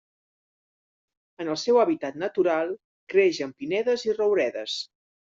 En el seu hàbitat natural, creix en pinedes i rouredes.